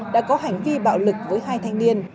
đã có hành vi bạo lực với hai thanh niên